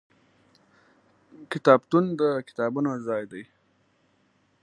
کتابتون د کتابونو ځای دی.